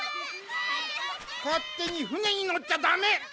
勝手にふねに乗っちゃダメ！